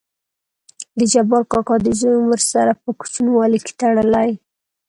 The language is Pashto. دجبار کاکا دزوى عمر سره په کوچينوالي کې تړلى.